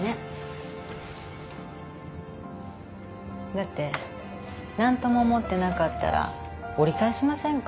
だって何とも思ってなかったら折り返しませんか？